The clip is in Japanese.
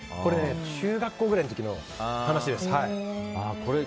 中学校くらいの時の話です。